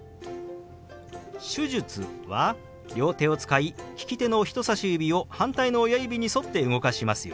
「手術」は両手を使い利き手の人さし指を反対の親指に沿って動かしますよ。